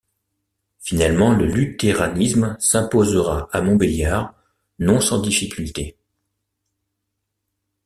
Finalement, le luthéranisme s'imposera à Montbéliard, non sans difficultés.